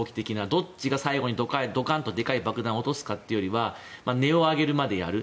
どっちが最後にドカンとでかい爆弾を落とすかというよりは音を上げるまでやる。